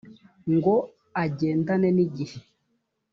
ngo agendane n’igihe